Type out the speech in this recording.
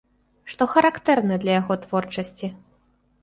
Што характэрна для яго творчасці?